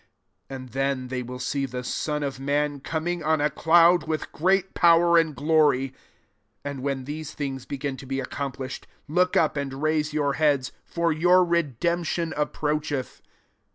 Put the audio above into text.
27 And then they will see the Son of man coming on a cloud with great power and glory. 28 And when these things begin to be accomplished, look up and raise your heads: for your redemption approacheth."